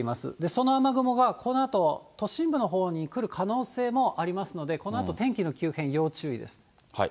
その雨雲が、このあと都心部のほうに来る可能性もありますので、このあと天気の急変、要注意です。